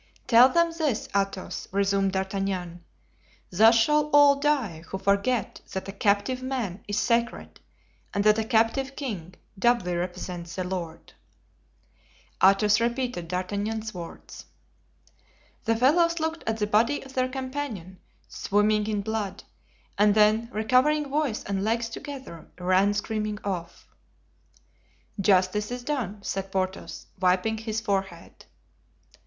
"Tell them this, Athos," resumed D'Artagnan; "thus shall all die who forget that a captive man is sacred and that a captive king doubly represents the Lord." Athos repeated D'Artagnan's words. The fellows looked at the body of their companion, swimming in blood, and then recovering voice and legs together, ran screaming off. "Justice is done," said Porthos, wiping his forehead.